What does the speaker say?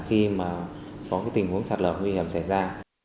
khi mà có cái tình huống sạt lở nguy hiểm xảy ra